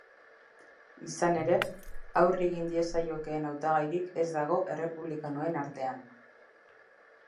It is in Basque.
Izan ere, aurre egin diezaiokeen hautagairik ez dago errepublikanoen artean.